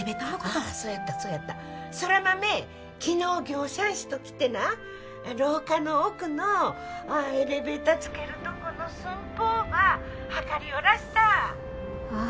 あそうやったそうやった空豆昨日業者ん人来てな廊下の奥のエレベーター☎つけるとこの寸法ば測りよらしたああ